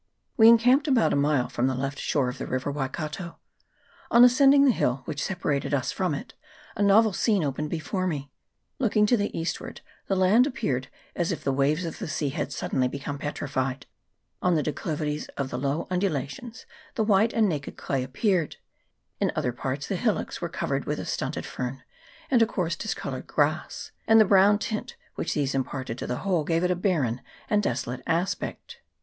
We encamped about a mile from the left shore of the river Waikato. On as cending the hill which separated us from it, a novel scene opened before me. Looking to the eastward the land appeared as if the waves of the sea had suddenly become petrified : on the declivities of the low undulations the white and naked clay appeared ; in other parts the hillocks were covered with a stunted fern and a coarse discoloured grass ; and the brown tint which these imparted to the whole gave it a barren and desolate aspect.